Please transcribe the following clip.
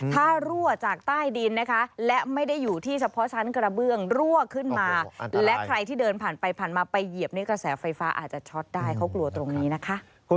ถ้ารั่วจากใต้ดินนะคะและไม่ได้อยู่ที่เฉพาะชั้นกระเบื้องรั่วขึ้นมาและใครที่เดินผ่านไปผ่านมาไปเหยียบในกระแสไฟฟ้าอาจจะช็อตได้เขากลัวตรงนี้นะคะ